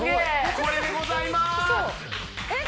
これでございますえっ